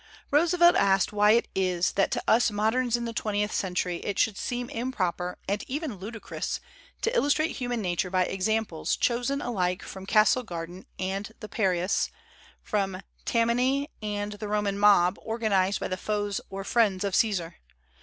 Roosevelt asked why it is that to us moderns in the twentieth century it should seem improper, and even ludicrous, to illustrate human nature by examples chosen alike from Castle Garden and the Piraeus, "from Tammany and the Roman mob organized by the foes or friends of Caesar.